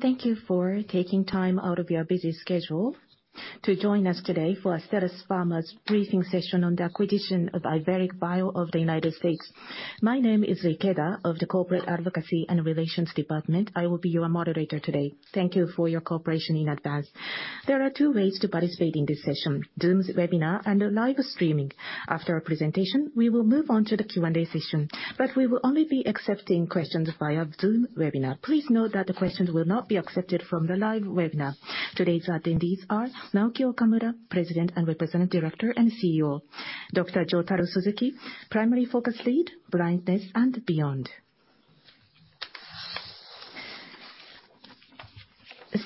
Thank you for taking time out of your busy schedule to join us today for Astellas Pharma's briefing session on the acquisition of Iveric Bio of the United States. My name is Ikeda of the Corporate Advocacy and Relations Department. I will be your moderator today. Thank you for your cooperation in advance. There are two ways to participate in this session, Zoom's webinar and a live streaming. After our presentation, we will move on to the Q&A session, but we will only be accepting questions via Zoom webinar. Please note that the questions will not be accepted from the live webinar. Today's attendees are Naoki Okamura, Representative Director, President and CEO, Dr. Jotaro Suzuki, Primary Focus Lead, Blindness and Beyond.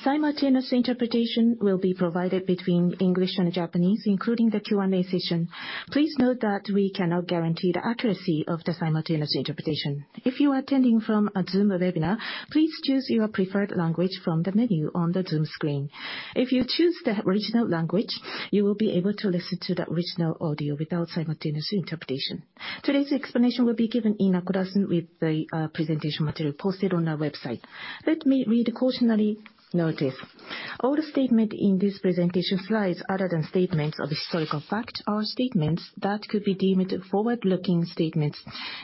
Simultaneous interpretation will be provided between English and Japanese, including the Q&A session. Please note that we cannot guarantee the accuracy of the simultaneous interpretation. If you are attending from a Zoom webinar, please choose your preferred language from the menu on the Zoom screen. If you choose the original language, you will be able to listen to the original audio without simultaneous interpretation. Today's explanation will be given in accordance with the presentation material posted on our website. Let me read cautionary notice. All the statement in this presentation slides, other than statements of historical fact, are statements that could be deemed forward-looking statements.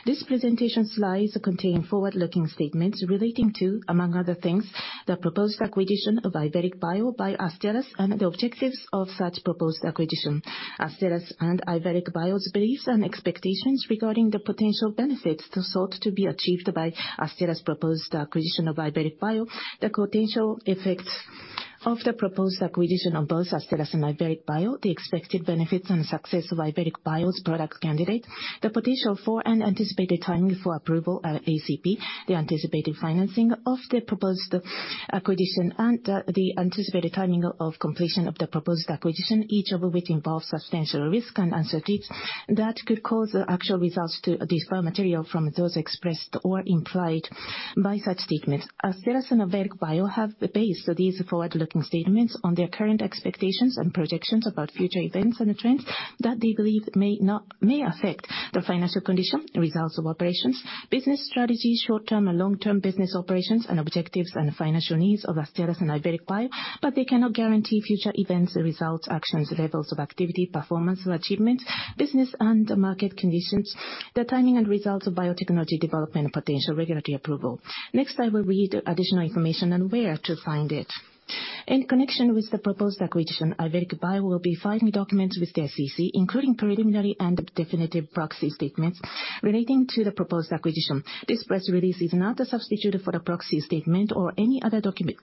This presentation slides contain forward-looking statements relating to, among other things, the proposed acquisition of Iveric Bio by Astellas and the objectives of such proposed acquisition. Astellas and Iveric Bio's beliefs and expectations regarding the potential benefits to sought to be achieved by Astellas proposed acquisition of Iveric Bio, the potential effects of the proposed acquisition of both Astellas and Iveric Bio, the expected benefits and success of Iveric Bio's product candidate, the potential for an anticipated timing for approval at ACP, the anticipated financing of the proposed acquisition, and the anticipated timing of completion of the proposed acquisition, each of which involves substantial risk and uncertainties that could cause the actual results to differ material from those expressed or implied by such statements. Astellas and Iveric Bio have based these forward-looking statements on their current expectations and projections about future events and the trends that they believe may not... may affect the financial condition, results of operations, business strategy, short-term and long-term business operations, and objectives and financial needs of Astellas and Iveric Bio, but they cannot guarantee future events, results, actions, levels of activity, performance or achievements, business and market conditions, the timing and results of biotechnology development, and potential regulatory approval. Next, I will read additional information and where to find it. In connection with the proposed acquisition, Iveric Bio will be filing documents with the SEC, including preliminary and definitive proxy statements relating to the proposed acquisition. This press release is not a substitute for the proxy statement or any other document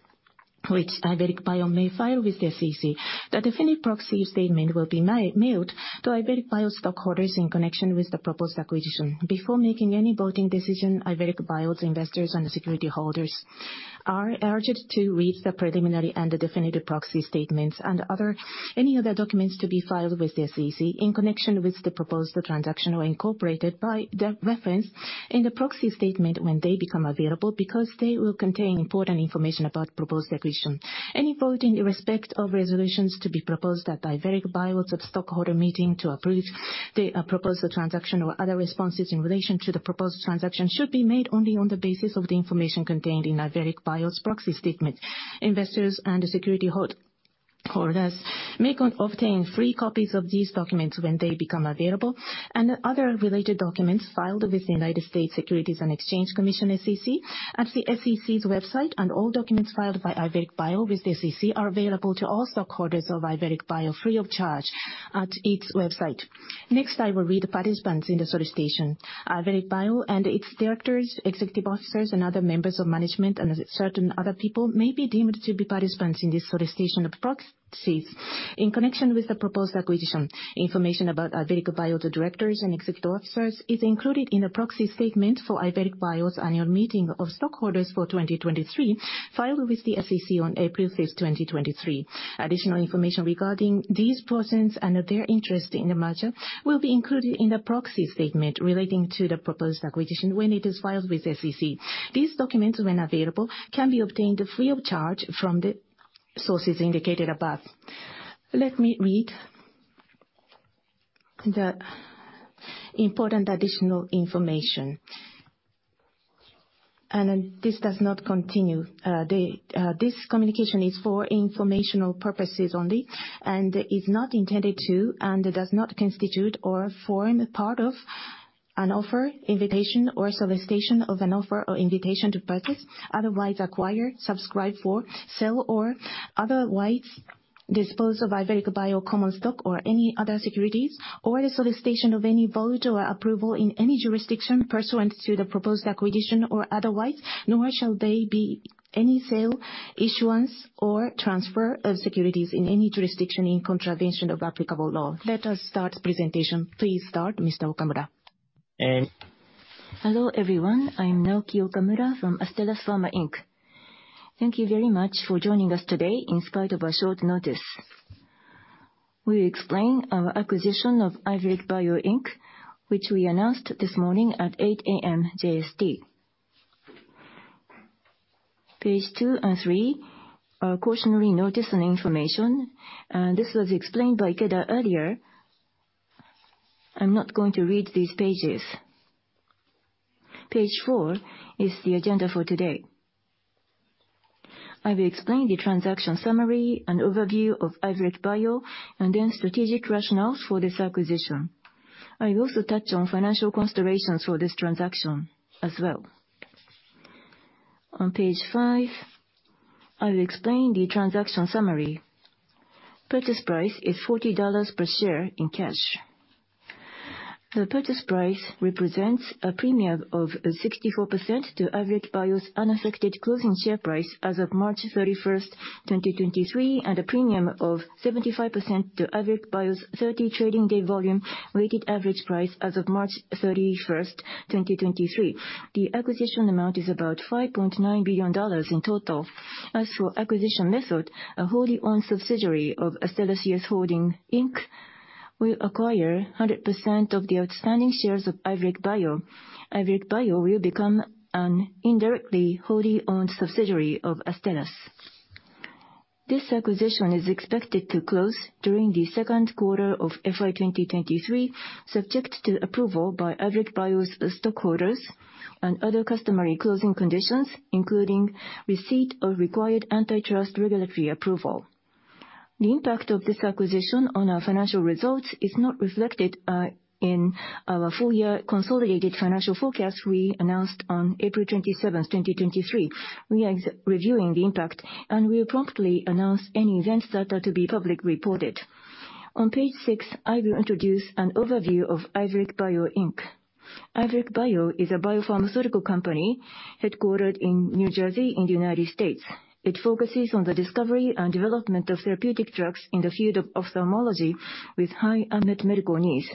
which Iveric Bio may file with the SEC. The definitive proxy statement will be mailed to Iveric Bio stockholders in connection with the proposed acquisition. Before making any voting decision, Iveric Bio's investors and security holders are urged to read the preliminary and the definitive proxy statements and other, any other documents to be filed with the SEC in connection with the proposed transaction or incorporated by the reference in the proxy statement when they become available, because they will contain important information about proposed acquisition. Any vote in respect of resolutions to be proposed at Iveric Bio's stockholder meeting to approve the proposed transaction or other responses in relation to the proposed transaction should be made only on the basis of the information contained in Iveric Bio's proxy statement. Investors and the security hold-holders may obtain free copies of these documents when they become available and other related documents filed with the United States Securities and Exchange Commission, SEC, at the SEC's website. All documents filed by Iveric Bio with the SEC are available to all stockholders of Iveric Bio free of charge at its website. Next, I will read participants in the solicitation. Iveric Bio and its directors, executive officers, and other members of management and certain other people may be deemed to be participants in this solicitation of proxies in connection with the proposed acquisition. Information about Iveric Bio's directors and executive officers is included in the proxy statement for Iveric Bio's Annual Meeting of Stockholders for 2023 filed with the SEC on April 6, 2023. Additional information regarding these persons and their interest in the merger will be included in the proxy statement relating to the proposed acquisition when it is filed with S.E.C. These documents, when available, can be obtained free of charge from the sources indicated above. Let me read the important additional information. This does not continue. This communication is for informational purposes only and is not intended to and does not constitute or form part of an offer, invitation or solicitation of an offer or invitation to purchase, otherwise acquire, subscribe for, sell or otherwise dispose of Iveric Bio common stock or any other securities, or the solicitation of any vote or approval in any jurisdiction pursuant to the proposed acquisition or otherwise, nor shall they be any sale, issuance or transfer of securities in any jurisdiction in contravention of applicable law. Let us start presentation. Please start, Mr. Okamura. Hello, everyone. I'm Naoki Okamura from Astellas Pharma Inc. Thank you very much for joining us today in spite of our short notice. We explain our acquisition of IVERIC bio, Inc., which we announced this morning at 8:00 A.M. JST. Page two and three are cautionary notice and information. This was explained by Ikeda earlier. I'm not going to read these pages. Page 4 is the agenda for today. I will explain the transaction summary and overview of IVERIC bio, and then strategic rationales for this acquisition. I will also touch on financial considerations for this transaction as well. On page five, I will explain the transaction summary. Purchase price is $40 per share in cash. The purchase price represents a premium of 64% to IVERIC bio's unaffected closing share price as of March 31, 2023, and a premium of 75% to IVERIC bio's 30 trading day volume weighted average price as of March 31, 2023. The acquisition amount is about $5.9 billion in total. As for acquisition method, a wholly owned subsidiary of Astellas US Holding Inc. will acquire 100% of the outstanding shares of IVERIC bio. IVERIC bio will become an indirectly wholly owned subsidiary of Astellas. This acquisition is expected to close during the Q2 of FY 2023, subject to approval by IVERIC bio's stockholders and other customary closing conditions, including receipt of required antitrust regulatory approval. The impact of this acquisition on our financial results is not reflected in our full year consolidated financial forecast we announced on April 27, 2023. We are reviewing the impact, and we will promptly announce any events that are to be public reported. On page six, I will introduce an overview of IVERIC bio Inc. IVERIC bio is a biopharmaceutical company headquartered in New Jersey in the United States. It focuses on the discovery and development of therapeutic drugs in the field of ophthalmology with high unmet medical needs.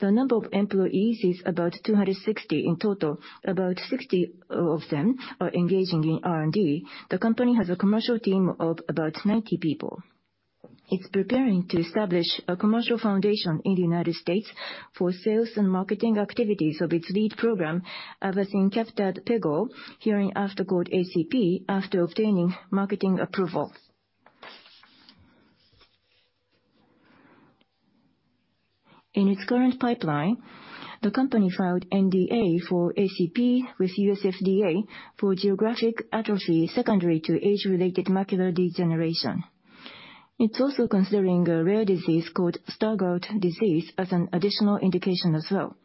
The number of employees is about 260 in total. About 60 of them are engaging in R&D. The company has a commercial team of about 90 people. It's preparing to establish a commercial foundation in the United States for sales and marketing activities of its lead program, Avacincaptad pegol, hereinafter called ACP, after obtaining marketing approval. In its current pipeline, the company filed NDA for ACP with US FDA for geographic atrophy secondary to age-related macular degeneration. It's also considering a rare disease called Stargardt disease as an additional indication as well.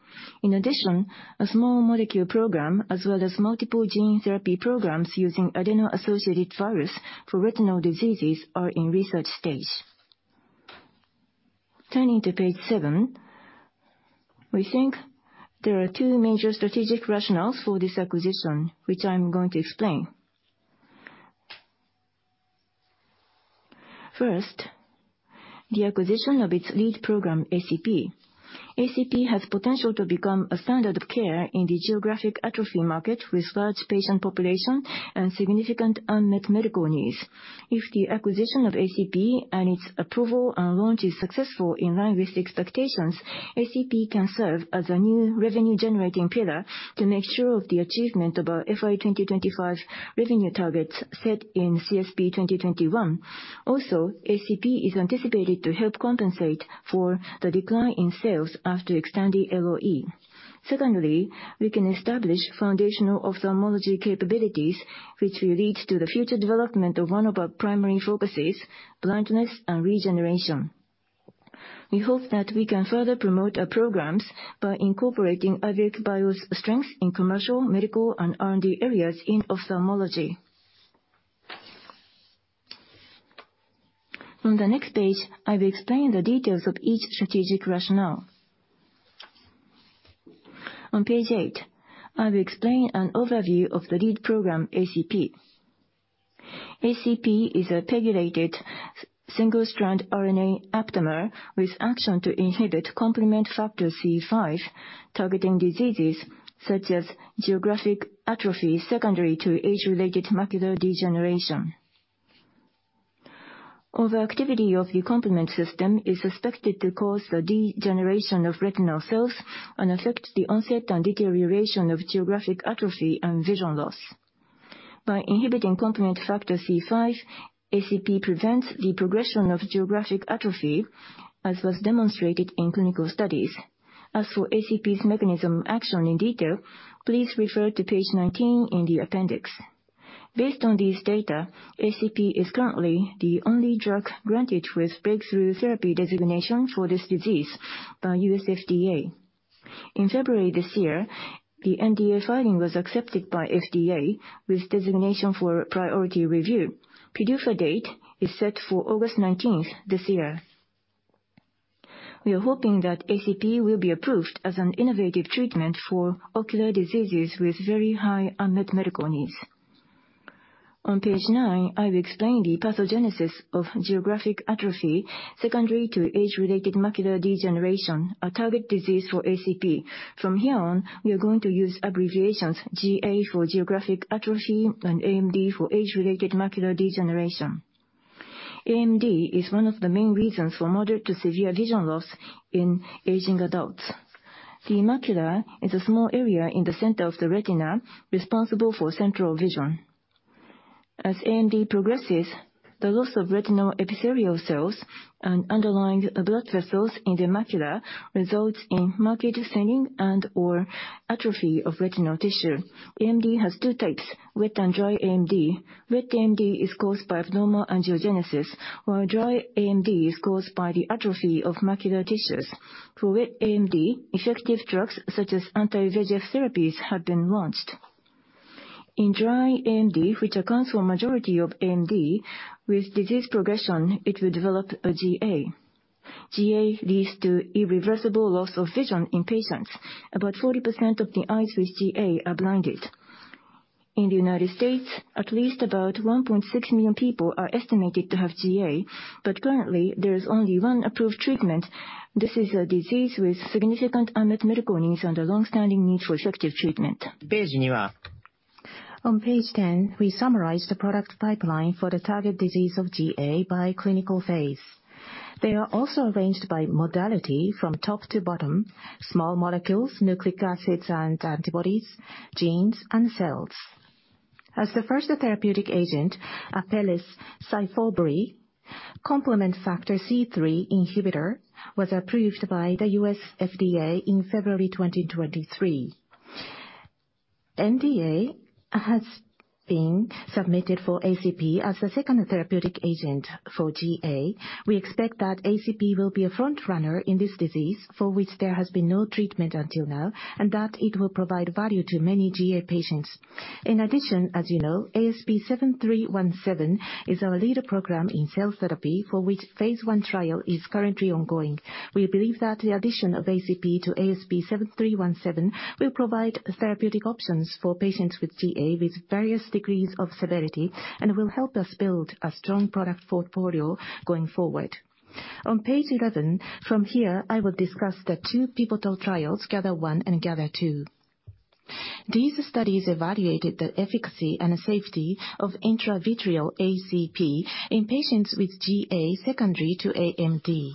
In addition, a small molecule program as well as multiple gene therapy programs using adeno-associated virus for retinal diseases are in research stage. Turning to page seven. We think there are two major strategic rationales for this acquisition, which I'm going to explain. First, the acquisition of its lead program, ACP. ACP has potential to become a standard of care in the geographic atrophy market with large patient population and significant unmet medical needs. If the acquisition of ACP and its approval and launch is successful in line with expectations, ACP can serve as a new revenue-generating pillar to make sure of the achievement of our FY2025 revenue targets set in CSP2021. Also, ACP is anticipated to help compensate for the decline in sales after XTANDI LOE. Secondly, we can establish foundational ophthalmology capabilities, which will lead to the future development of one of our primary focuses, blindness and regeneration. We hope that we can further promote our programs by incorporating IVERIC Bio's strength in commercial, medical, and R&D areas in ophthalmology. On the next page, I will explain the details of each strategic rationale. On page eight, I will explain an overview of the lead program, ACP. ACP is a pegylated single-strand RNA aptamer with action to inhibit complement factor C5, targeting diseases such as geographic atrophy secondary to age-related macular degeneration. Overactivity of the complement system is suspected to cause the degeneration of retinal cells and affect the onset and deterioration of geographic atrophy and vision loss. By inhibiting complement factor C5, ACP prevents the progression of geographic atrophy, as was demonstrated in clinical studies. As for ACP's mechanism action in detail, please refer to page 19 in the appendix. Based on this data, ACP is currently the only drug granted with Breakthrough Therapy designation for this disease by US FDA. In February this year, the NDA filing was accepted by FDA with designation for priority review. PDUFA date is set for August 19th this year. We are hoping that ACP will be approved as an innovative treatment for ocular diseases with very high unmet medical needs. On page nine, I will explain the pathogenesis of geographic atrophy secondary to age-related macular degeneration, a target disease for ACP. From here on, we are going to use abbreviations, GA for geographic atrophy and AMD for age-related macular degeneration. AMD is one of the main reasons for moderate to severe vision loss in aging adults. The macular is a small area in the center of the retina responsible for central vision. As AMD progresses, the loss of retinal epithelial cells and underlying blood vessels in the macula results in market thinning and or atrophy of retinal tissue. AMD has two types, wet and dry AMD. Wet AMD is caused by abnormal angiogenesis, while dry AMD is caused by the atrophy of macular tissues. For wet AMD, effective drugs such as anti-VEGF therapies have been launched. In dry AMD, which accounts for a majority of AMD, with disease progression, it will develop a GA. GA leads to irreversible loss of vision in patients. About 40% of the eyes with GA are blinded. In the United States, at least about 1.6 million people are estimated to have GA, but currently there is only one approved treatment. This is a disease with significant unmet medical needs and a long-standing need for effective treatment. On page 10, we summarize the product pipeline for the target disease of GA by clinical phase. They are also arranged by modality from top to bottom, small molecules, nucleic acids and antibodies, genes and cells. As the first therapeutic agent, Apellis' SYFOVRE, complement factor C3 inhibitor, was approved by the US FDA in February 2023. NDA has been submitted for ACP as the second therapeutic agent for GA. We expect that ACP will be a front runner in this disease, for which there has been no treatment until now, and that it will provide value to many GA patients. As you know, ASP7317 is our leader program in cell therapy, for which phase I trial is currently ongoing. We believe that the addition of ACP to ASP7317 will provide therapeutic options for patients with GA with various degrees of severity, will help us build a strong product portfolio going forward. On page 11, from here, I will discuss the two pivotal trials, GATHER1 and GATHER2. These studies evaluated the efficacy and safety of intravitreal ACP in patients with GA secondary to AMD.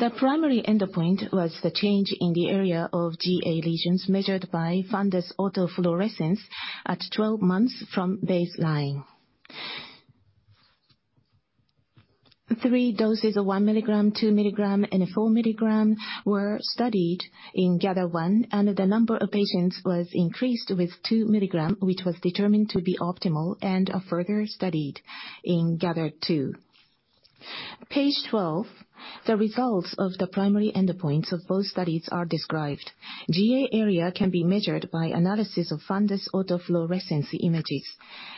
The primary endpoint was the change in the area of GA lesions measured by fundus autofluorescence at 12 months from baseline. three doses of 1 milligram, 2 milligram and 4 milligram were studied in GATHER1, the number of patients was increased with 2 milligram, which was determined to be optimal and are further studied in GATHER2. Page 12, the results of the primary endpoints of both studies are described. GA area can be measured by analysis of fundus autofluorescence images.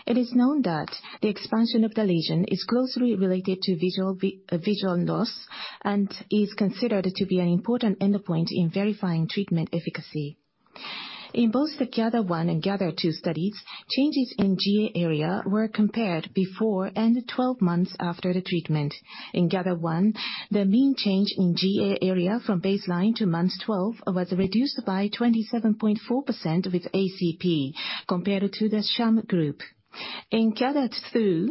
It is known that the expansion of the lesion is closely related to visual loss and is considered to be an important endpoint in verifying treatment efficacy. In both the GATHER1 and GATHER2 studies, changes in GA area were compared before and 12 months after the treatment. In GATHER1, the mean change in GA area from baseline to month 12 was reduced by 27.4% with ACP compared to the sham group. In GATHER2,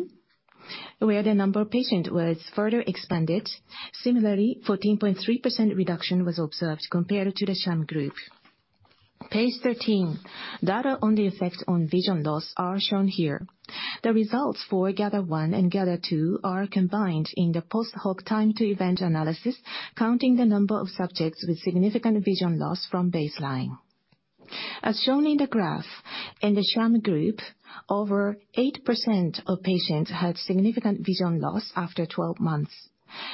where the number of patient was further expanded, similarly, 14.3% reduction was observed compared to the sham group. Page 13. Data on the effects on vision loss are shown here. The results for GATHER1 and GATHER2 are combined in the post-hoc time to event analysis, counting the number of subjects with significant vision loss from baseline. As shown in the graph, in the sham group, over 8% of patients had significant vision loss after 12 months.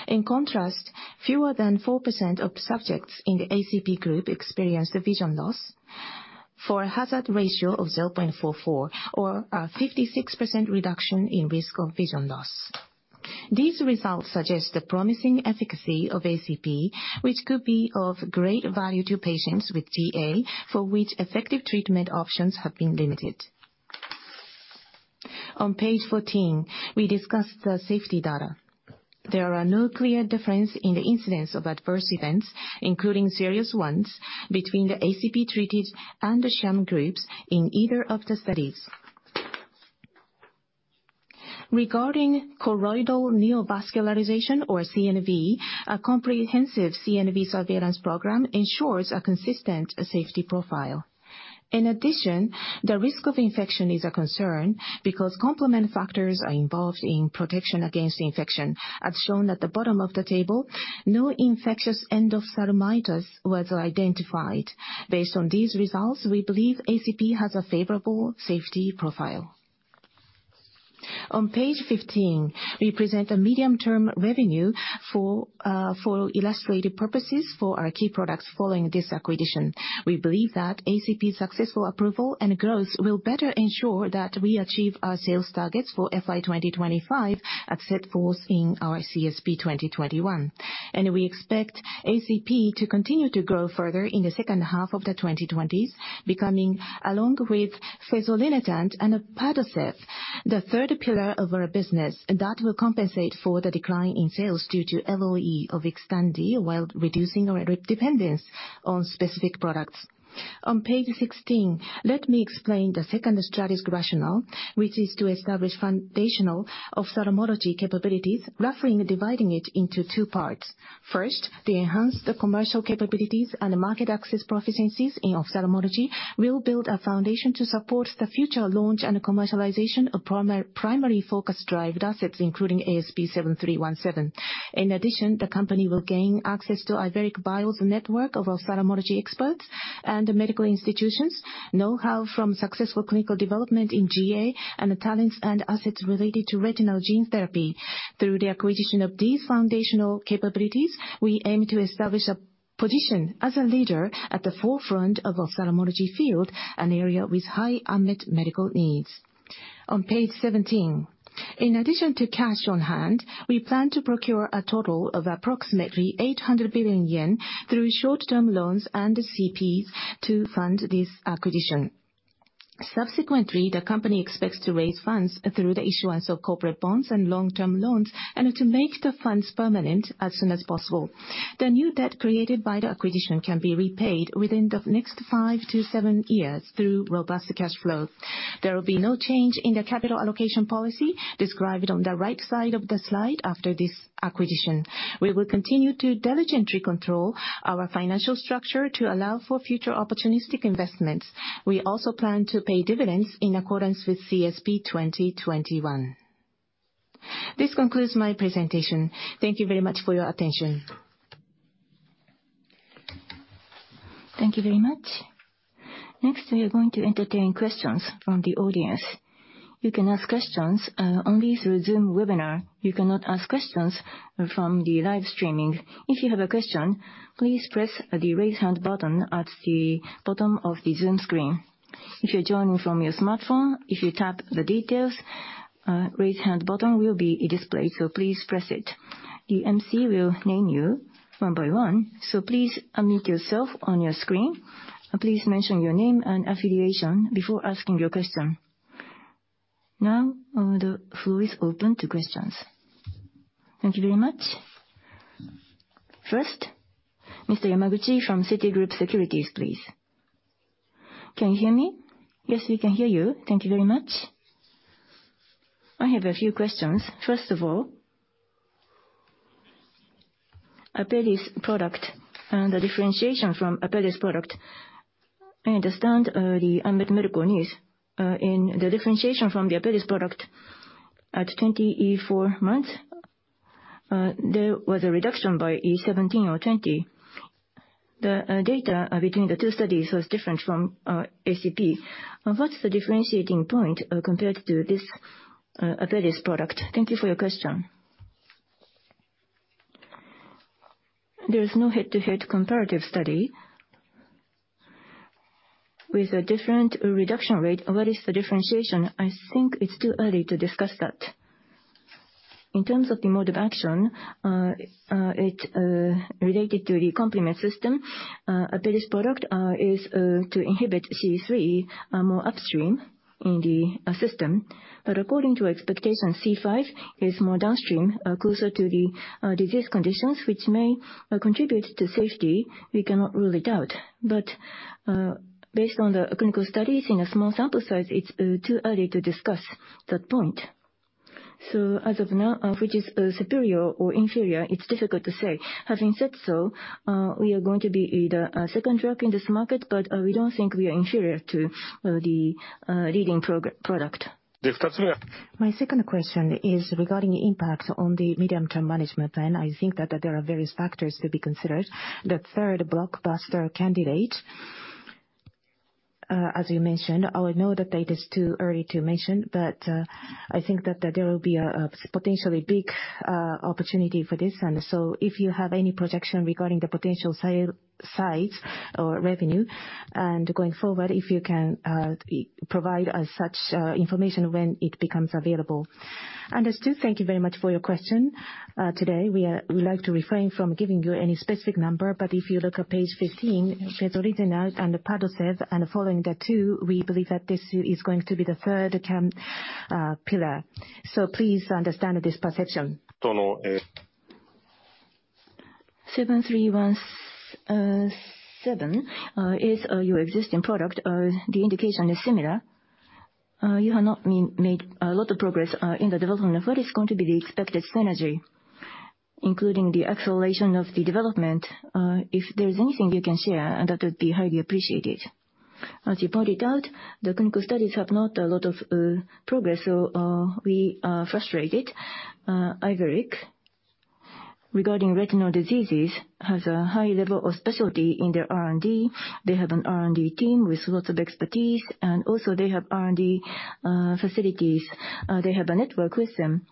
In contrast, fewer than 4% of subjects in the ACP group experienced the vision loss for a hazard ratio of 0.44 or a 56% reduction in risk of vision loss. These results suggest the promising efficacy of ACP, which could be of great value to patients with GA, for which effective treatment options have been limited. On page 14, we discuss the safety data. There are no clear difference in the incidence of adverse events, including serious ones, between the ACP-treated and the sham groups in either of the studies. Regarding choroidal neovascularization or CNV, a comprehensive CNV surveillance program ensures a consistent safety profile. In addition, the risk of infection is a concern because complement factors are involved in protection against infection. As shown at the bottom of the table, no infectious endophthalmitis was identified. Based on these results, we believe ACP has a favorable safety profile. On page 15, we present a medium-term revenue for illustrative purposes for our key products following this acquisition. We believe that ACP's successful approval and growth will better ensure that we achieve our sales targets for FY2025 as set forth in our CSP2021. We expect ACP to continue to grow further in the second half of the 2020s, becoming, along with Fezolinetant and upadacitinib, the third pillar of our business that will compensate for the decline in sales due to LOE of XTANDI while reducing our dependence on specific products. On page 16, let me explain the second strategic rationale, which is to establish foundational ophthalmology capabilities, roughly dividing it into two parts. First, to enhance the commercial capabilities and market access proficiencies in ophthalmology will build a foundation to support the future launch and commercialization of primary focus-derived assets, including ASP7317. In addition, the company will gain access to Iveric Bio's network of ophthalmology experts and medical institutions, know-how from successful clinical development in GA and the talents and assets related to retinal gene therapy. Through the acquisition of these foundational capabilities, we aim to establish. Position as a leader at the forefront of ophthalmology field, an area with high unmet medical needs. On page 17, in addition to cash on hand, we plan to procure a total of approximately 800 billion yen through short-term loans and the CPs to fund this acquisition. The company expects to raise funds through the issuance of corporate bonds and long-term loans, and to make the funds permanent as soon as possible. The new debt created by the acquisition can be repaid within the next five-seven years through robust cash flow. There will be no change in the capital allocation policy described on the right side of the slide after this acquisition. We will continue to diligently control our financial structure to allow for future opportunistic investments. We also plan to pay dividends in accordance with CSP2021. This concludes my presentation. Thank you very much for your attention. Thank you very much. We are going to entertain questions from the audience. You can ask questions only through Zoom webinar. You cannot ask questions from the live streaming. If you have a question, please press the Raise Hand button at the bottom of the Zoom screen. If you're joining from your smartphone, if you tap the Details, Raise Hand button will be displayed, so please press it. The MC will name you one by one, so please unmute yourself on your screen. Please mention your name and affiliation before asking your question. The floor is open to questions. Thank you very much. Mr. Yamaguchi from Citigroup Securities, please. Can you hear me? Yes, we can hear you. Thank you very much. I have a few questions. First of all, Apellis product and the differentiation from Apellis product. I understand the unmet medical needs. In the differentiation from the Apellis product at 24 months, there was a reduction by 17 or 20. The data between the two studies was different from ACP. What's the differentiating point compared to this Apellis product? Thank you for your question. There is no head-to-head comparative study. With a different reduction rate, what is the differentiation? I think it's too early to discuss that. In terms of the mode of action, it related to the complement system. Apellis product is to inhibit C3 more upstream in the system. According to expectation, C5 is more downstream, closer to the disease conditions which may contribute to safety. We cannot rule it out. Based on the clinical studies in a small sample size, it's too early to discuss that point. As of now, which is superior or inferior, it's difficult to say. Having said so, we are going to be the second drug in this market, but we don't think we are inferior to the leading product. My second question is regarding impact on the medium-term management plan. I think that there are various factors to be considered. The third blockbuster candidate, as you mentioned, I know that it is too early to mention, but I think that there will be a potentially big opportunity for this. If you have any projection regarding the potential sale size or revenue, and going forward, if you can provide such information when it becomes available. Understood. Thank you very much for your question. Today we'd like to refrain from giving you any specific number, but if you look at page 15, zolbetuximab and PADCEV, and following the two, we believe that this is going to be the third pillar. Please understand this perception. 7317 is your existing product. The indication is similar. You have not made a lot of progress in the development. What is going to be the expected synergy, including the acceleration of the development? If there is anything you can share, that would be highly appreciated. The clinical studies have not a lot of progress, so we are frustrated. IVERIC, regarding retinal diseases, has a high level of specialty in their R&D. They have an R&D team with lots of expertise, and also they have R&D facilities. They have a network with them.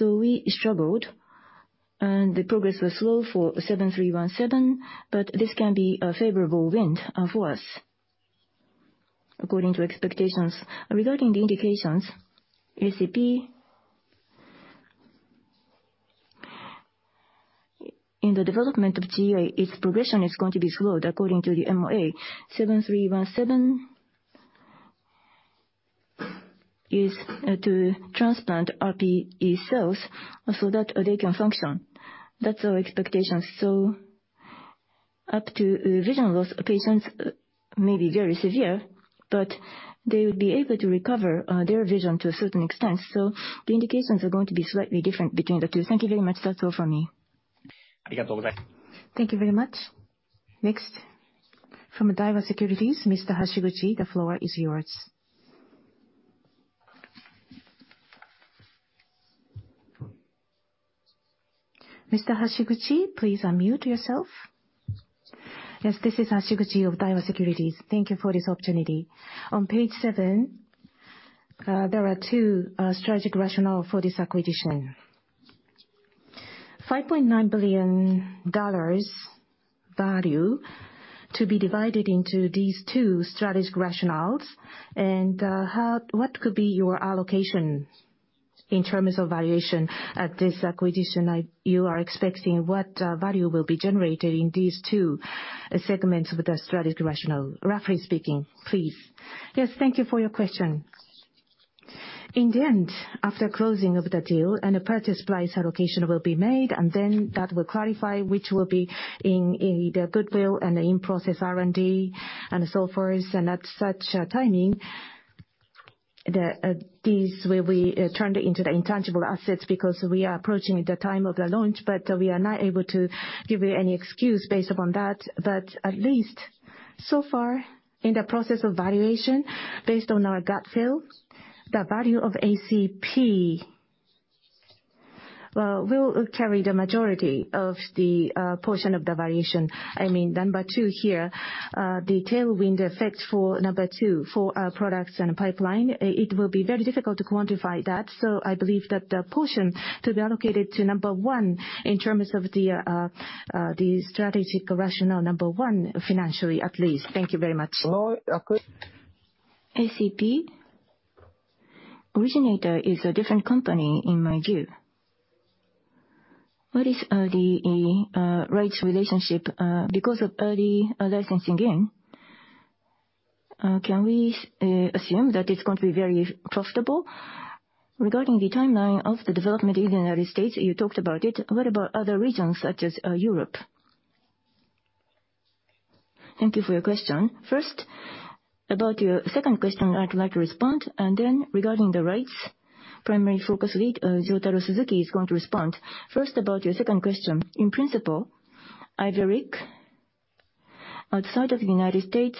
We struggled, and the progress was slow for ASP7317, but this can be a favorable wind for us according to expectations. Regarding the indications, ACP, in the development of GA, its progression is going to be slowed according to the MOA. ASP7317 is to transplant RPE cells so that they can function. That's our expectation. Up to vision loss patients may be very severe, but they will be able to recover their vision to a certain extent. The indications are going to be slightly different between the two. Thank you very much. That's all for me. Thank you very much. Next, from Daiwa Securities, Mr. Hashiguchi, the floor is yours. Mr. Hashiguchi, please unmute yourself. Yes, this is Hashiguchi of Daiwa Securities. Thank you for this opportunity. On page seven. There are two strategic rationale for this acquisition. $5.9 billion value to be divided into these two strategic rationales. What could be your allocation in terms of valuation at this acquisition? Are you expecting what value will be generated in these two segments of the strategic rationale, roughly speaking, please? Yes, thank you for your question. In the end, after closing of the deal and the purchase price allocation will be made, that will clarify which will be in the goodwill and the in-process R&D and so forth. At such a timing, these will be turned into the intangible assets because we are approaching the time of the launch, but we are not able to give you any excuse based upon that. At least so far in the process of valuation, based on our gut feel, the value of ACP will carry the majority of the portion of the valuation. I mean, number two here, the tailwind effect for number two, for products and pipeline, it will be very difficult to quantify that. I believe that the portion to be allocated to number one in terms of the strategic rationale, number 1 financially, at least. Thank you very much. ACP, originator is a different company, in my view. What is the rights relationship because of early licensing in, can we assume that it's going to be very profitable? Regarding the timeline of the development in the United States, you talked about it. What about other regions such as Europe? Thank you for your question. First, about your second question, I'd like to respond. Regarding the rights, primary focus lead, Jotaro Suzuki is going to respond. First about your second question. In principle, Iveric outside of the United States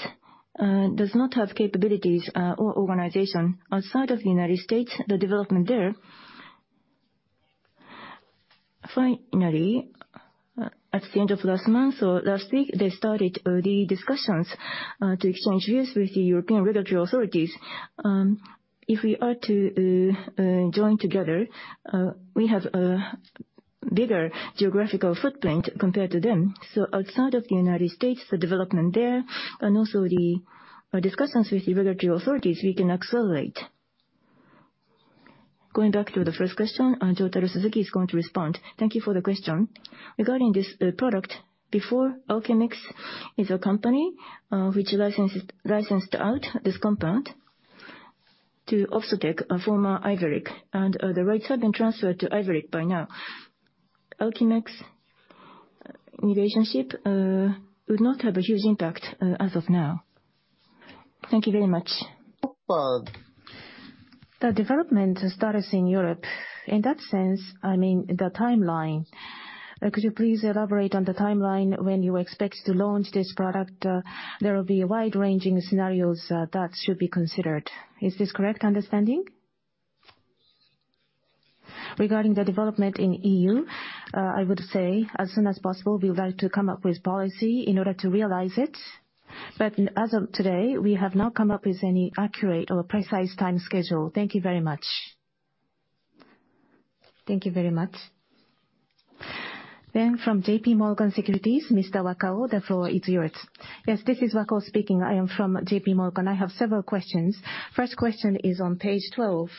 does not have capabilities or organization. Outside of the United States, the development there. Finally, at the end of last month or last week, they started the discussions to exchange views with the European regulatory authorities. If we are to join together, we have a bigger geographical footprint compared to them. Outside of the United States, the development there and also the discussions with regulatory authorities, we can accelerate. Going back to the first question, Jotaro Suzuki is going to respond. Thank you for the question. Regarding this product, before Archemix is a company which licensed out this compound to Ophthotech, a former Iveric, and the rights have been transferred to Iveric by now. Archemix relationship would not have a huge impact as of now. Thank you very much. The development status in Europe, in that sense, I mean the timeline. Could you please elaborate on the timeline when you expect to launch this product? There will be wide-ranging scenarios that should be considered. Is this correct understanding? Regarding the development in EU, I would say as soon as possible we would like to come up with policy in order to realize it. As of today, we have not come up with any accurate or precise time schedule. Thank you very much. Thank you very much. From JPMorgan Securities, Mr. Wakao, the floor is yours. Yes, this is Wakao speaking. I am from JP Morgan. I have several questions. First question is on page 12,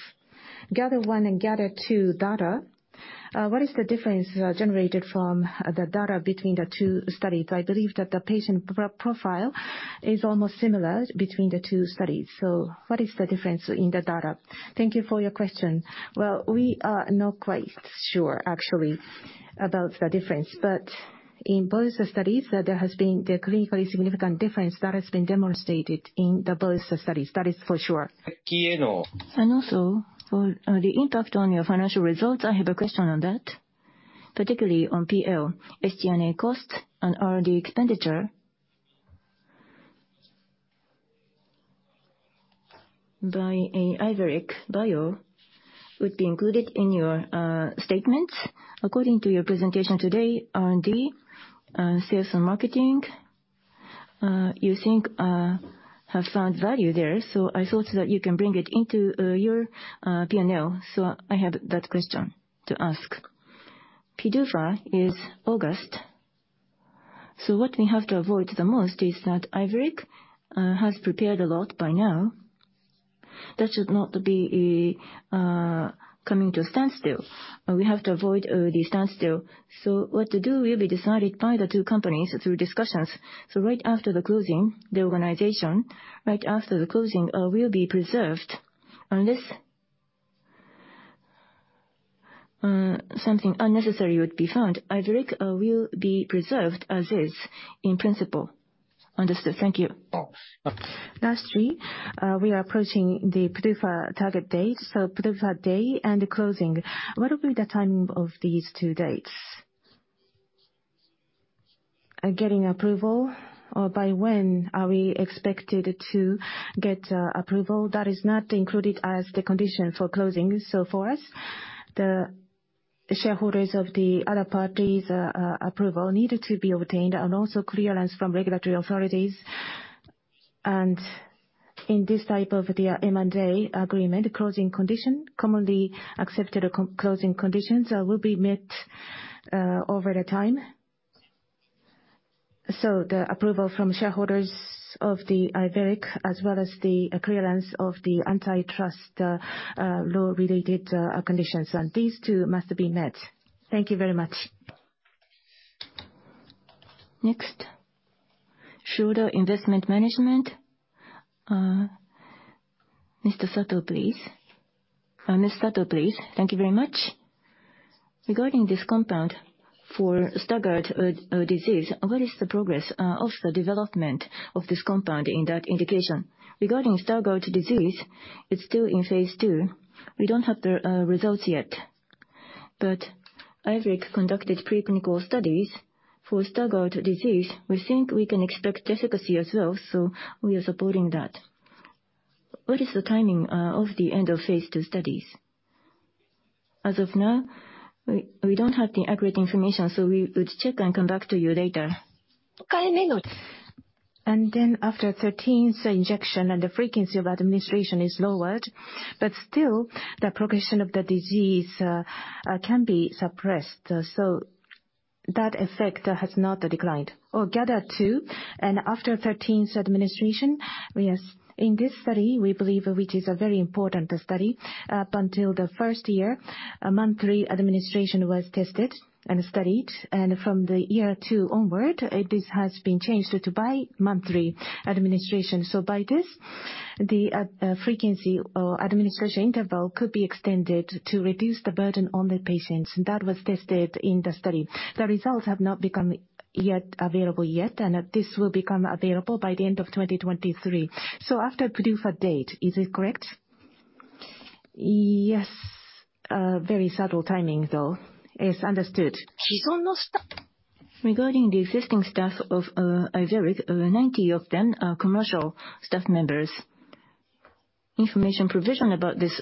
GATHER1 and GATHER2 data. What is the difference generated from the data between the two studies? I believe that the patient profile is almost similar between the two studies. What is the difference in the data? Thank you for your question. Well, we are not quite sure actually about the difference, but in both the studies there has been the clinically significant difference that has been demonstrated in the both studies. That is for sure. Also for the impact on your financial results, I have a question on that, particularly on P&L, SG&A costs and R&D expenditure. By Iveric Bio would be included in your statements. According to your presentation today, R&D, sales and marketing, you think, have found value there. I thought that you can bring it into your P&L. I have that question to ask. PDUFA is August. What we have to avoid the most is that Iveric has prepared a lot by now. That should not be coming to a standstill. We have to avoid the standstill. What to do will be decided by the two companies through discussions. Right after the closing, the organization, right after the closing, will be preserved. Unless something unnecessary would be found, Iveric will be preserved as is in principle. Understood. Thank you. Last three, we are approaching the PDUFA target date, so PDUFA day and the closing. What will be the timing of these two dates? Getting approval or by when are we expected to get approval? That is not included as the condition for closing. For us, the shareholders of the other party's approval needed to be obtained, and also clearance from regulatory authorities. In this type of the M&A agreement, closing condition, commonly accepted closing conditions will be met over the time. The approval from shareholders of the IVERIC as well as the clearance of the antitrust law-related conditions. These two must be met. Thank you very much. Next, shareholder investment management. Mr. Sato, please. Ms. Sato, please. Thank you very much. Regarding this compound for Stargardt disease, what is the progress of the development of this compound in that indication? Regarding Stargardt disease, it's still in phase II. We don't have the results yet. IVERIC conducted pre-clinical studies for Stargardt disease. We think we can expect efficacy as well, so we are supporting that. What is the timing of the end of phase II studies? As of now, we don't have the accurate information, so we would check and come back to you later. After thirteenth injection and the frequency of administration is lowered, but still the progression of the disease can be suppressed, so that effect has not declined or gathered too. After thirteenth administration. In this study, we believe, which is a very important study, up until the first year, a monthly administration was tested and studied. From the year two onward, this has been changed to bi-monthly administration. By this, the frequency or administration interval could be extended to reduce the burden on the patients, and that was tested in the study. The results have not become yet available yet, and this will become available by the end of 2023. After PDUFA date. Is it correct? Yes. Very subtle timing though. Yes. Understood. Regarding the existing staff of IVERIC, 90 of them are commercial staff members. Information provision about this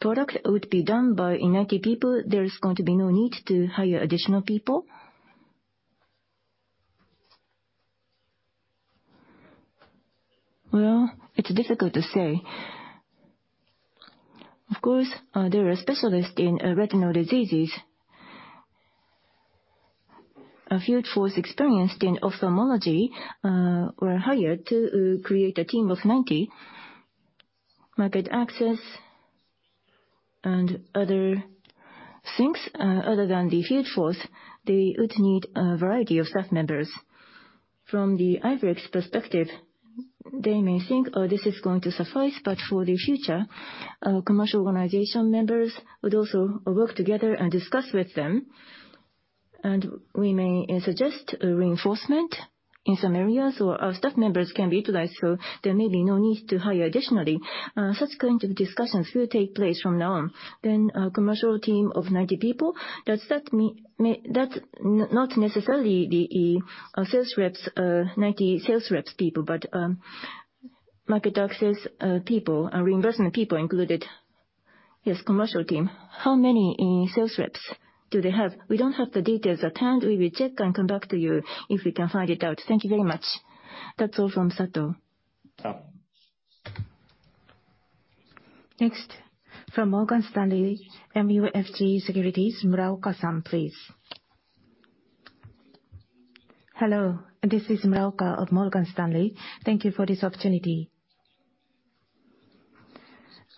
product would be done by 90 people. There is going to be no need to hire additional people? Well, it's difficult to say. Of course, they're a specialist in retinal diseases. A field force experienced in ophthalmology were hired to create a team of 90. Market access and other things, other than the field force, they would need a variety of staff members. From Iveric Bio's perspective, they may think, "Oh, this is going to suffice," for the future, commercial organization members would also work together and discuss with them. We may suggest a reinforcement in some areas or our staff members can be utilized, there may be no need to hire additionally. Such kind of discussions will take place from now on. A commercial team of 90 people, does that mean that's not necessarily the sales reps, 90 sales reps, but market access people and reimbursement people included. Yes. Commercial team. How many sales reps do they have? We don't have the details at hand. We will check and come back to you if we can find it out. Thank you very much. That's all from Sato. Next, from Morgan Stanley MUFG Securities, Muraoka, please. Hello, this is Muraoka of Morgan Stanley. Thank you for this opportunity.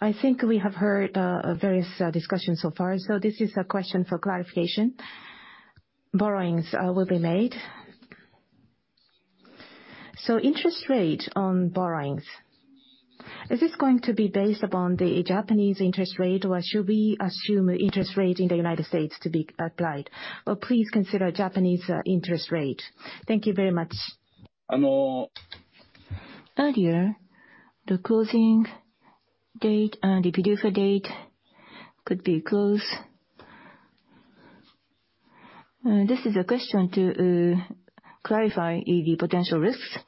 I think we have heard various discussions so far. This is a question for clarification. Borrowings will be made. Interest rate on borrowings, is this going to be based upon the Japanese interest rate or should we assume interest rate in the United States to be applied? Please consider Japanese interest rate. Thank you very much. Earlier, the closing date and the PDUFA date could be close. This is a question to clarify the potential risks.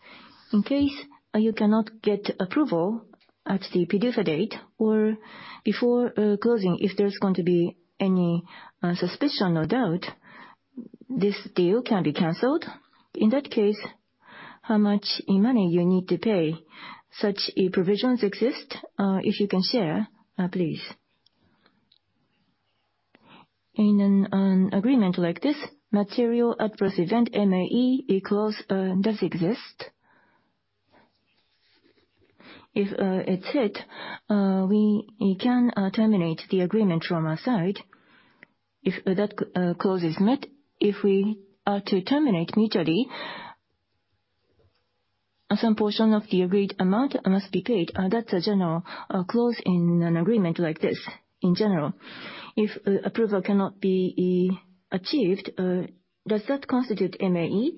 In case you cannot get approval at the PDUFA date or before closing, if there's going to be any suspicion or doubt, this deal can be canceled. In that case, how much money you need to pay? Such provisions exist. If you can share, please. In an agreement like this, material adverse event, MAE, a clause does exist. If it's hit, we can terminate the agreement from our side. If that clause is met, if we are to terminate mutually, some portion of the agreed amount must be paid. That's a general clause in an agreement like this, in general. If approval cannot be achieved, does that constitute MAE?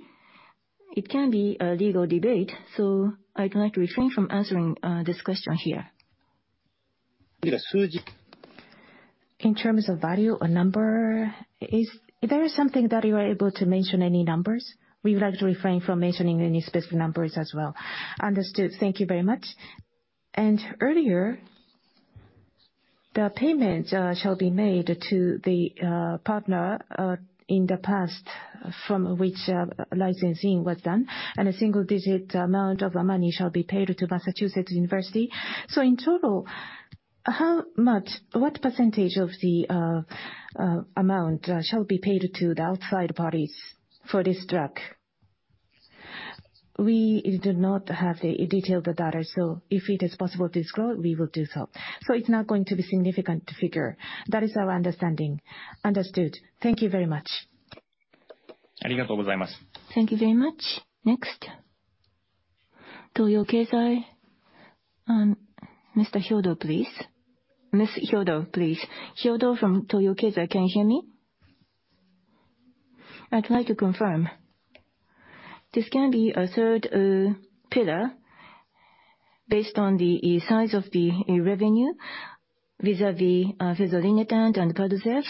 It can be a legal debate, so I'd like to refrain from answering, this question here. In terms of value or number, Is there something that you are able to mention any numbers? We would like to refrain from mentioning any specific numbers as well. Understood. Thank you very much. Earlier, the payments shall be made to the partner in the past from which licensing was done. A single digit amount of money shall be paid to University of Massachusetts. In total, what percentage of the amount shall be paid to the outside parties for this drug? We do not have the detailed data. If it is possible to disclose, we will do so. It's not going to be significant figure. That is our understanding. Understood. Thank you very much. Thank you very much. Next, Toyo Keizai and Ms. Hyodo please. Ms. Hyodo please. Hyodo from Toyo Keizai, can you hear me? I'd like to confirm. This can be a third pillar based on the size of the revenue vis-à-vis vizarafenib and PADCEV.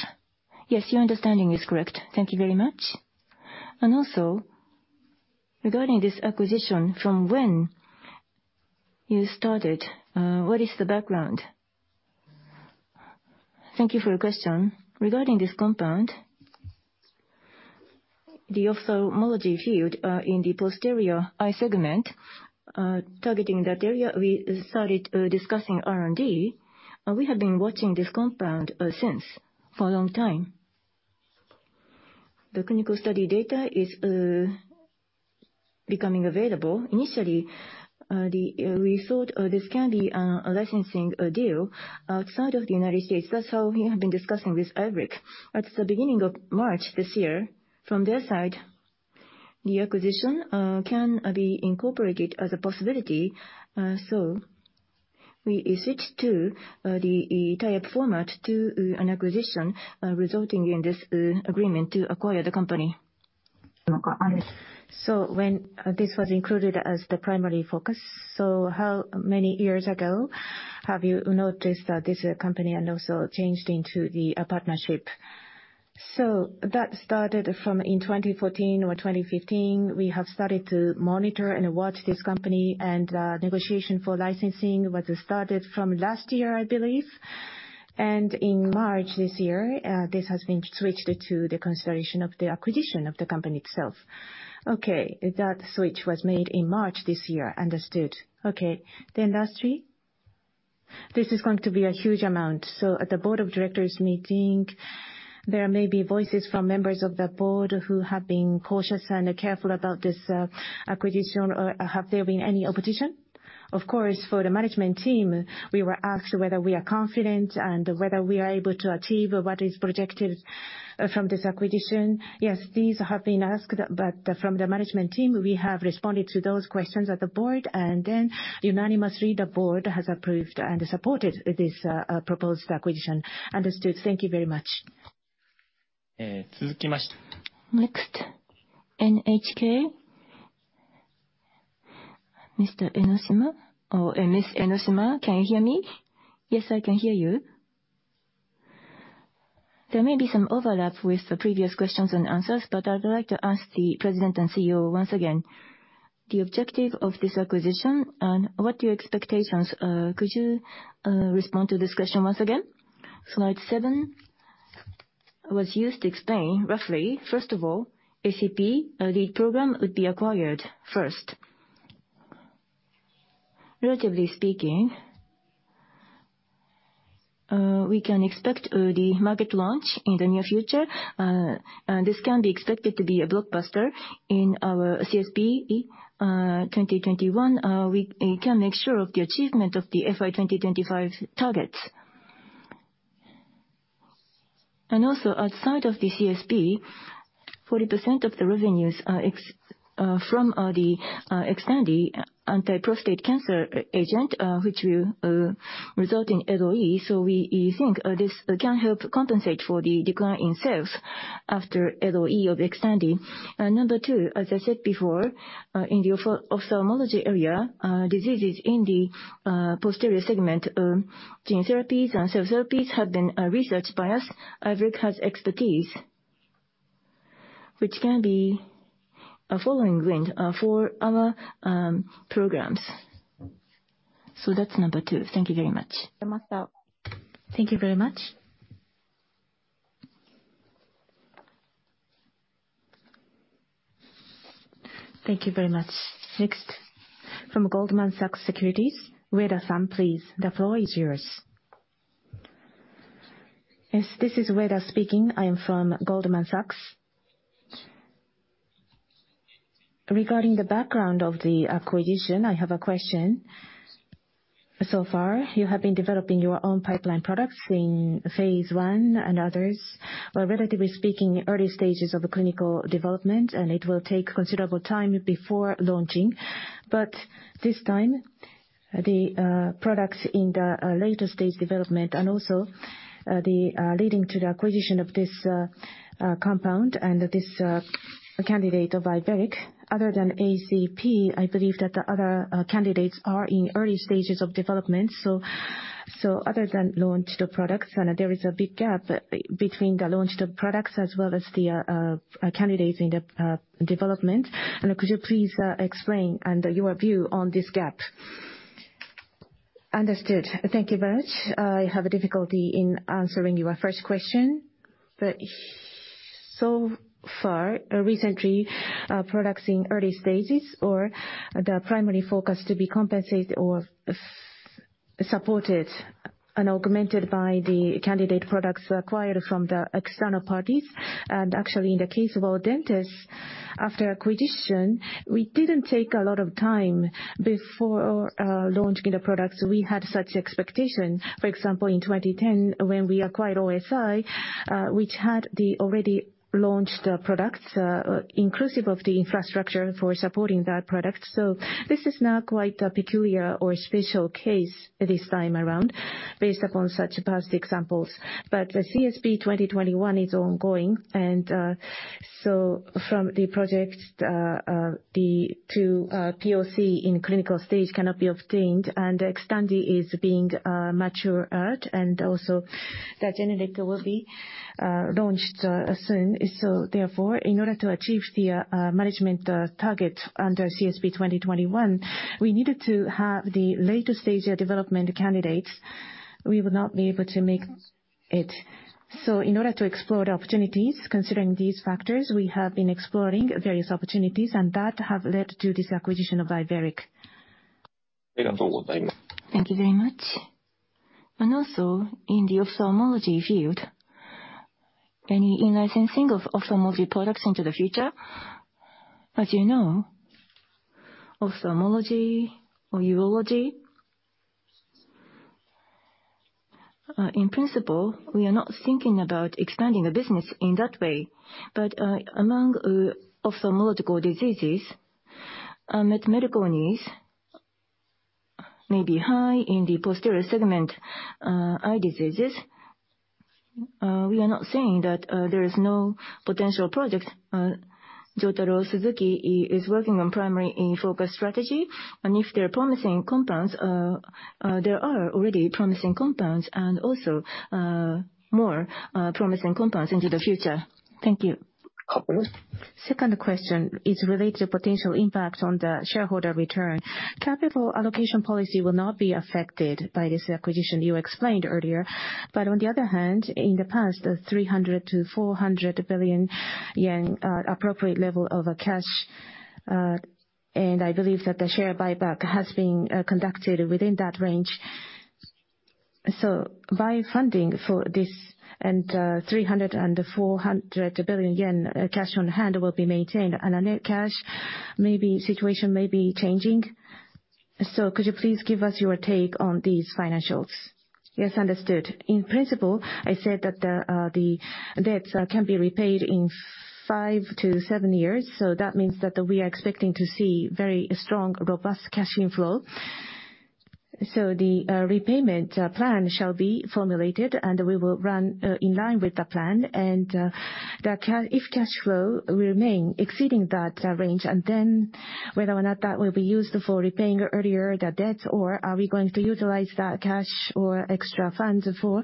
Yes, your understanding is correct. Thank you very much. Regarding this acquisition, from when you started, what is the background? Thank you for your question. Regarding this compound, the ophthalmology field, in the posterior eye segment, targeting that area, we started discussing R&D. We have been watching this compound since for a long time. The clinical study data is becoming available. Initially, we thought this can be a licensing deal outside of the United States. That's how we have been discussing with IVERIC. At the beginning of March this year, from their side, the acquisition can be incorporated as a possibility. We switched to the tie-up format to an acquisition, resulting in this agreement to acquire the company. When this was included as the primary focus. How many years ago have you noticed this company and also changed into the partnership? That started from in 2014 or 2015. We have started to monitor and watch this company, and negotiation for licensing was started from last year, I believe. In March this year, this has been switched to the consideration of the acquisition of the company itself. Okay. That switch was made in March this year. Understood. Okay. The industry, this is going to be a huge amount. At the board of directors meeting, there may be voices from members of the board who have been cautious and careful about this acquisition. Have there been any opposition? Of course, for the management team, we were asked whether we are confident and whether we are able to achieve what is projected from this acquisition. Yes, these have been asked. From the management team, we have responded to those questions at the board, and then unanimously the board has approved and supported this proposed acquisition. Understood. Thank you very much. Next, NHK. Mr. Oshima or Ms. Oshima, can you hear me? Yes, I can hear you. There may be some overlap with the previous questions and answers, I would like to ask the President and CEO once again the objective of this acquisition and what your expectations. Could you respond to this question once again? Slide 7 was used to explain roughly, first of all, ACP, the program would be acquired first. Relatively speaking, we can expect the market launch in the near future. This can be expected to be a blockbuster in our CSP 2021. We can make sure of the achievement of the FY 2025 targets. Also outside of the CSP, 40% of the revenues are from the XTANDI anti-prostate cancer agent, which will result in LOE. We think this can help compensate for the decline in sales after LOE of XTANDI. Number 2, as I said before, in the ophthalmology area, diseases in the posterior segment, gene therapies and cell therapies have been researched by us. IVERIC has expertise which can be a following wind, for our programs. That's number 2. Thank you very much. Thank you very much. Thank you very much. Next from Goldman Sachs Securities, Ueda-san, please. The floor is yours. Yes, this is Ueda speaking. I am from Goldman Sachs. Regarding the background of the acquisition, I have a question. So far, you have been developing your own pipeline products in phase I and others are, relatively speaking, early stages of clinical development, and it will take considerable time before launching. This time, the products in the later stage development and also, the leading to the acquisition of this compound and this candidate of IVERIC, other than ACP, I believe that the other candidates are in early stages of development. Other than launched products, there is a big gap between the launched products as well as the candidates in the development. Could you please explain and your view on this gap? Understood. Thank you very much. I have a difficulty in answering your first question. So far, recently, products in early stages or the primary focus to be compensated or supported and augmented by the candidate products acquired from the external parties. Actually, in the case of Astellas, after acquisition, we didn't take a lot of time before launching the products. We had such expectation. For example, in 2010, when we acquired OSI, which had the already launched products, inclusive of the infrastructure for supporting that product. This is not quite a peculiar or special case this time around based upon such past examples. The CSP2021 is ongoing, so from the project, the 2 POC in clinical stage cannot be obtained, XTANDI is being matured, and also Darzenata will be launched soon. Therefore, in order to achieve the management target under CSP2021, we needed to have the later-stage development candidates. We would not be able to make it. In order to explore the opportunities considering these factors, we have been exploring various opportunities, and that have led to this acquisition of Iveric. Thank you very much. Also, in the ophthalmology field, any in-licensing of ophthalmology products into the future? As you know, ophthalmology or urology, in principle, we are not thinking about expanding the business in that way. Among ophthalmological diseases, its medical needs may be high in the posterior segment eye diseases. We are not saying that there is no potential project. Jotaro Suzuki is working on primary in focus strategy, and if there are promising compounds, there are already promising compounds and also more promising compounds into the future. Thank you. Second question is related to potential impact on the shareholder return. Capital allocation policy will not be affected by this acquisition you explained earlier. On the other hand, in the past, the 300 billion-400 billion yen appropriate level of cash, and I believe that the share buyback has been conducted within that range. By funding for this, 300 billion-400 billion yen cash on hand will be maintained, and our net cash situation may be changing. Could you please give us your take on these financials? Yes, understood. In principle, I said that the debts can be repaid in five-seven years. That means that we are expecting to see very strong, robust cash inflow. The repayment plan shall be formulated, and we will run in line with the plan. If cash flow will remain exceeding that range, whether or not that will be used for repaying earlier the debts or are we going to utilize that cash or extra funds for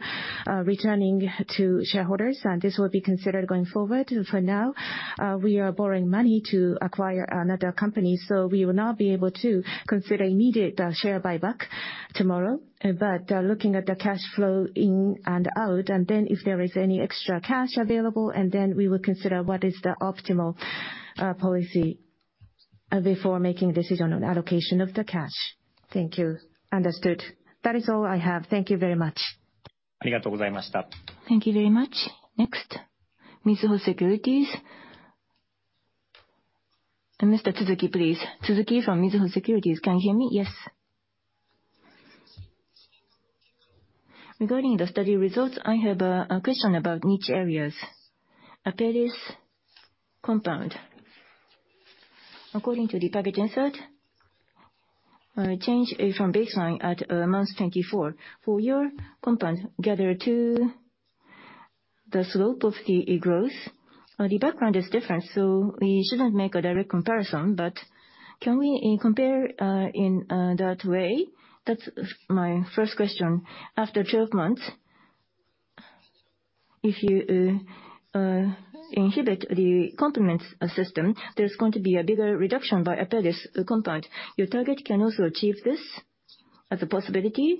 returning to shareholders, and this will be considered going forward. For now, we are borrowing money to acquire another company. We will not be able to consider immediate share buyback tomorrow. Looking at the cash flow in and out, if there is any extra cash available, we will consider what is the optimal policy before making decision on allocation of the cash. Thank you. Understood. That is all I have. Thank you very much. Thank you very much. Next, Mizuho Securities. Mr. Tsuzuki, please. Tsuzuki from Mizuho Securities, can you hear me? Yes. Regarding the study results, I have a question about niche areas. Apellis compound. According to the package insert, change from baseline at months 24. For your compound, GATHER2, the slope of the growth. The background is different, so we shouldn't make a direct comparison, can we compare in that way? That's my first question. After 12 months, if you inhibit the complement system, there's going to be a bigger reduction by Apellis compound. Your target can also achieve this as a possibility?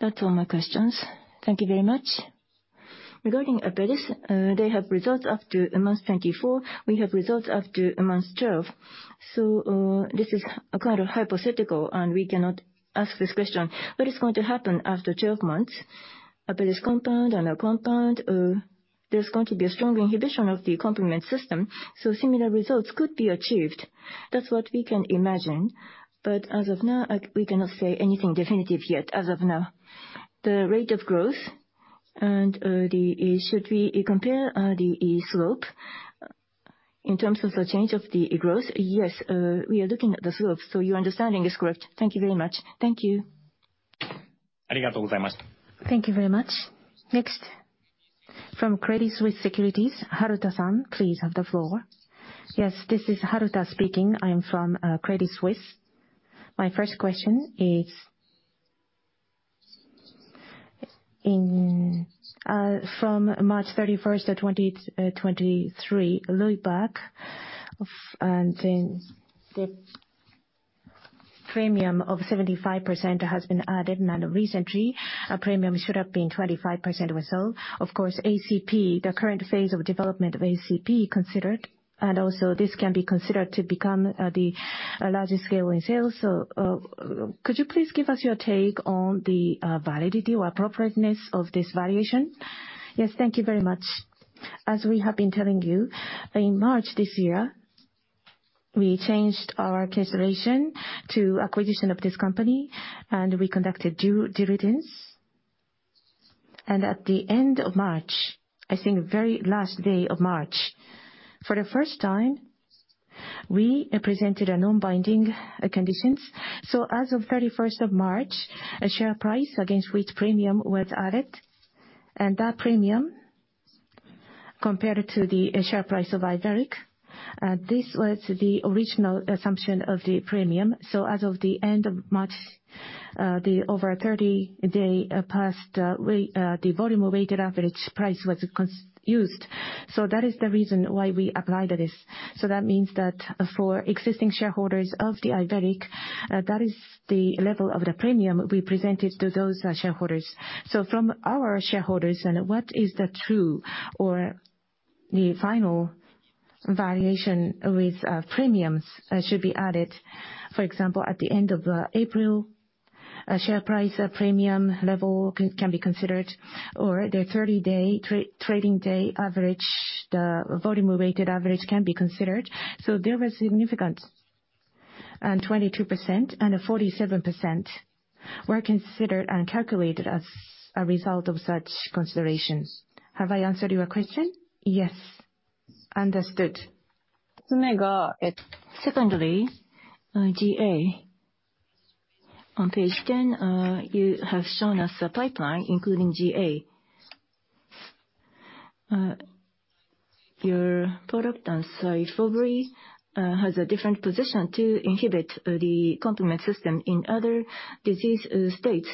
That's all my questions. Thank you very much. Regarding Apellis, they have results up to months 24. We have results up to months 12. This is a kind of hypothetical, and we cannot ask this question. What is going to happen after 12 months? Apellis compound and our compound, there's going to be a strong inhibition of the complement system. Similar results could be achieved. That's what we can imagine. As of now, we cannot say anything definitive yet, as of now. The rate of growth and the should we compare the slope in terms of the change of the growth? Yes, we are looking at the slope, so your understanding is correct. Thank you very much. Thank you. Thank you very much. Next. From Credit Suisse Securities, Haruta, please have the floor. Yes, this is Haruta speaking. I am from Credit Suisse. My first question is. From March 31, 2023, Lupeutic, then the premium of 75% has been added. Recently, a premium should have been 25% or so. Of course, ACP, the current phase of development of ACP considered. Also this can be considered to become the larger scale in sales. Could you please give us your take on the validity or appropriateness of this valuation? Yes. Thank you very much. As we have been telling you, in March this year, we changed our consideration to acquisition of this company. We conducted due diligence. At the end of March, I think very last day of March, for the first time, we presented a non-binding conditions. As of 31st of March, a share price against which premium was added, and that premium compared to the share price of Iveric, this was the original assumption of the premium. As of the end of March, the over 30-day past way, the volume-weighted average price was used. That is the reason why we applied this. That means that for existing shareholders of the Iveric, that is the level of the premium we presented to those shareholders. From our shareholders and what is the true or the final valuation with premiums should be added, for example, at the end of April, a share price, a premium level can be considered or the 30-day trading day average, the volume-weighted average can be considered. There was significant, and 22% and 47% were considered and calculated as a result of such considerations. Have I answered your question? Yes. Understood. Secondly, GA. On page 10, you have shown us a pipeline including GA. Your product, SYFOVRE, has a different position to inhibit the complement system in other disease states.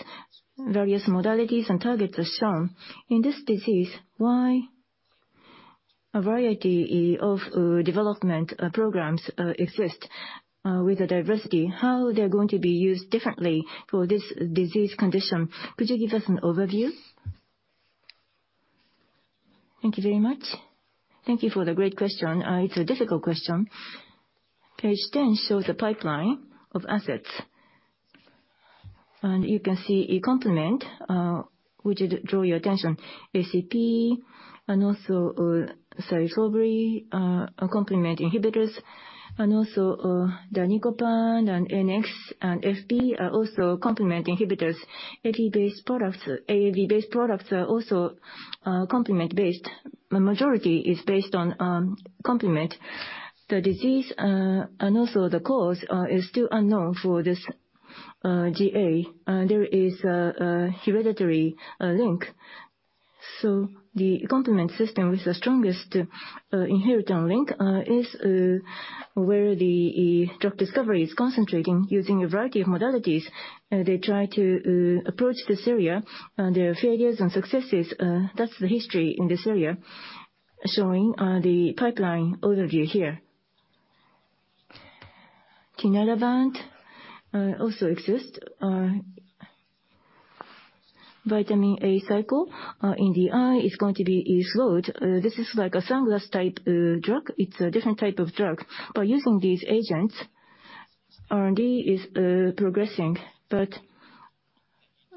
Various modalities and targets are shown. In this disease, why a variety of development programs exist with the diversity? How they're going to be used differently for this disease condition? Could you give us an overview? Thank you very much. Thank you for the great question. It's a difficult question. Page 10 shows the pipeline of assets. You can see a complement which would draw your attention. ACP and also SYFOVRE are complement inhibitors. Also, Danicopan and NX and FP are also complement inhibitors. AD based products, AAV based products are also complement based. The majority is based on complement. The disease and also the cause is still unknown for this GA. There is a hereditary link. The complement system with the strongest inherited link is where the drug discovery is concentrating using a variety of modalities. They try to approach this area and there are failures and successes. That's the history in this area, showing the pipeline overview here. tinlarebant also exists. Vitamin A cycle in the eye is going to be used load. This is like a sunglass type drug. It's a different type of drug. By using these agents, R&D is progressing, but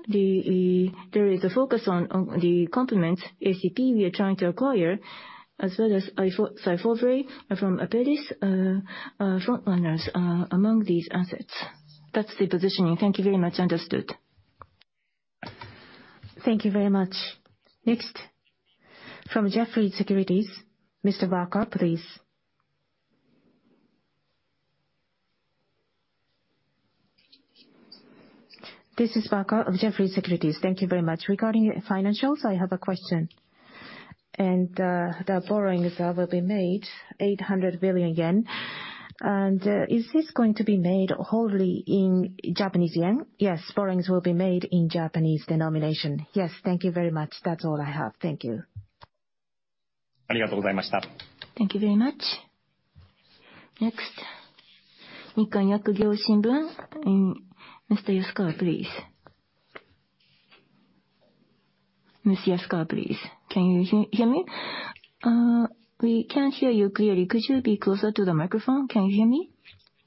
there is a focus on the complements, ACP we are trying to acquire, as well as Saritoglibi from Apellis, frontrunners among these assets. That's the positioning. Thank you very much. Understood. Thank you very much. Next, from Jefferies Securities, Mr. Barker, please. This is Barker of Jefferies Securities. Thank you very much. Regarding financials, I have a question. The borrowings will be made 800 billion yen. Is this going to be made wholly in Japanese yen? Yes, borrowings will be made in Japanese denomination. Yes. Thank you very much. That's all I have. Thank you. Thank you very much. Next, Nikkan Yakugyo, and Mr. Yasuka, please. Mr. Yasuka, please. Can you hear me? We can't hear you clearly. Could you be closer to the microphone? Can you hear me?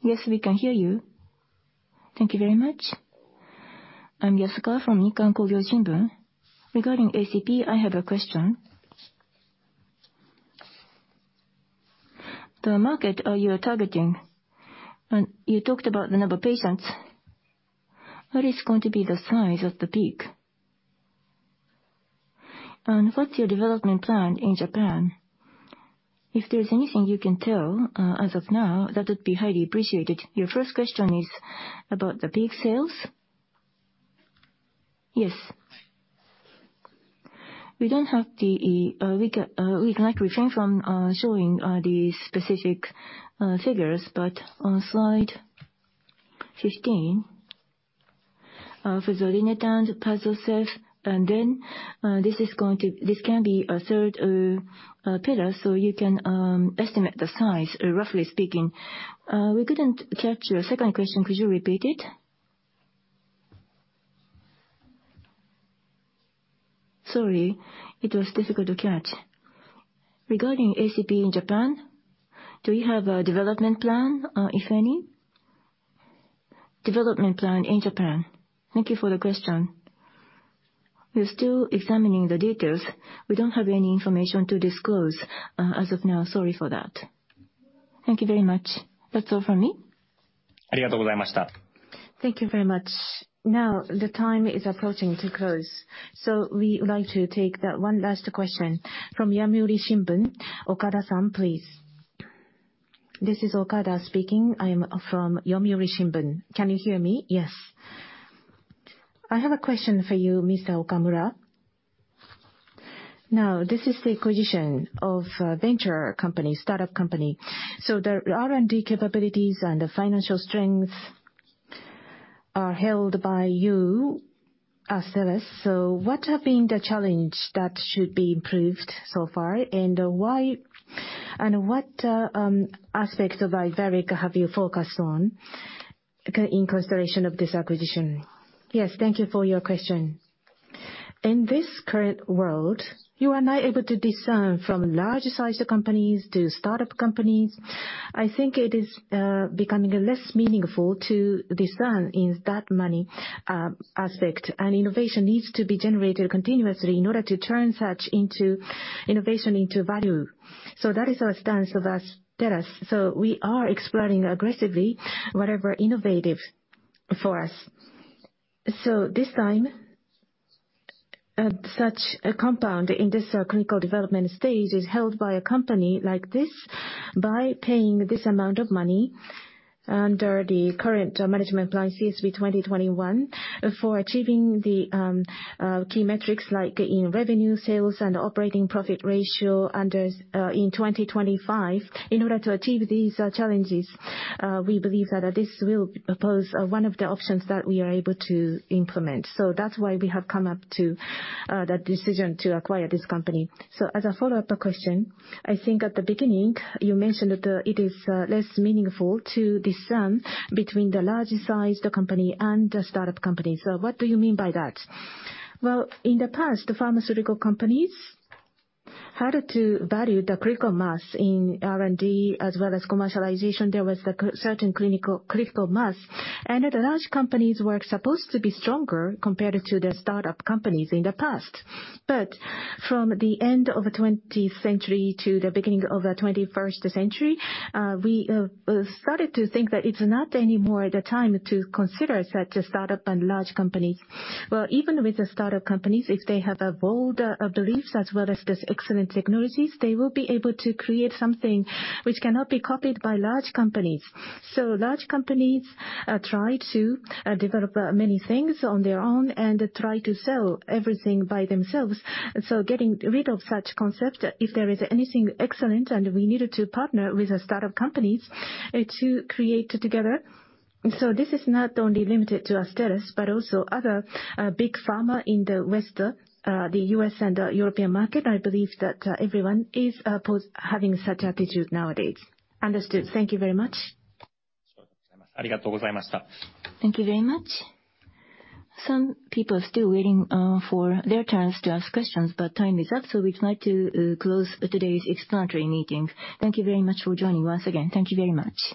Yes, we can hear you. Thank you very much. I'm Yasuka from Nikkan Kogyo Shimbun. Regarding ACP, I have a question. The market are you are targeting, and you talked about the number of patients, what is going to be the size of the peak? What's your development plan in Japan? If there's anything you can tell, as of now, that would be highly appreciated. Your first question is about the peak sales? Yes. We don't have the, we'd like refrain from showing the specific figures, but on slide 15, for the Lineteplan, Padcev and then, this can be a third pillar, so you can estimate the size, roughly speaking. We couldn't capture your second question. Could you repeat it? Sorry, it was difficult to catch. Regarding ACP in Japan, do you have a development plan, if any? Development plan in Japan. Thank you for the question. We're still examining the details. We don't have any information to disclose as of now. Sorry for that. Thank you very much. That's all from me. Thank you very much. Thank you very much. The time is approaching to close, we would like to take the one last question from Yomiuri Shimbun, Okada-san, please. This is Okada speaking. I am from Yomiuri Shimbun. Can you hear me? Yes. I have a question for you, Mr. Okamura. This is the acquisition of venture company, startup company. The R&D capabilities and the financial strengths are held by you, Astellas. What have been the challenge that should be improved so far? What aspects of iThelica have you focused on in consideration of this acquisition? Yes. Thank you for your question. In this current world, you are not able to discern from large-sized companies to startup companies. I think it is becoming less meaningful to discern in that many aspect. Innovation needs to be generated continuously in order to turn such into innovation into value. That is our stance of Astellas. We are exploring aggressively whatever innovative for us. This time, such a compound in this clinical development stage is held by a company like this, by paying this amount of money under the current management plan CSP2021 for achieving the key metrics like in revenue sales and operating profit ratio in 2025. In order to achieve these challenges, we believe that this will propose one of the options that we are able to implement. That's why we have come up to the decision to acquire this company. As a follow-up question, I think at the beginning you mentioned that it is less meaningful to discern between the larger sized company and the startup company. What do you mean by that? In the past, pharmaceutical companies had to value the critical mass in R&D as well as commercialization. There was the certain clinical, critical mass. The large companies were supposed to be stronger compared to the startup companies in the past. From the end of the 20th century to the beginning of the 21st century, we started to think that it's not anymore the time to consider such a startup and large company. Well, even with the startup companies, if they have bold beliefs as well as these excellent technologies, they will be able to create something which cannot be copied by large companies. Large companies try to develop many things on their own and try to sell everything by themselves. Getting rid of such concept, if there is anything excellent and we needed to partner with the startup companies to create together. This is not only limited to Astellas, but also other big pharma in the west, the U.S. and European market. I believe that everyone is having such attitude nowadays. Understood. Thank you very much. Thank you very much. Some people are still waiting, for their turns to ask questions. Time is up. We'd like to close today's explanatory meeting. Thank you very much for joining once again. Thank you very much.